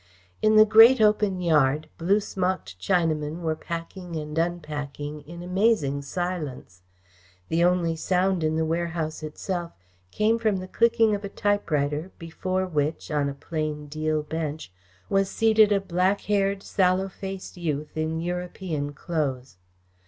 In the great open yard, blue smocked Chinamen were packing and unpacking in amazing silence. The only sound in the warehouse itself came from the clicking of a typewriter before which, on a plain deal bench, was seated a black haired, sallow faced youth in European clothes.